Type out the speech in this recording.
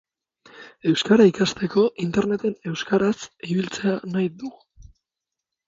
Euskara ikasteko Interneten euskaraz ibiltzea nahi dugu.